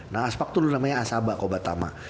nah aspak tuh namanya asaba kobatama